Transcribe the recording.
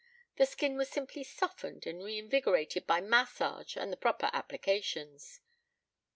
The skin was simply softened and reinvigorated by massage and the proper applications."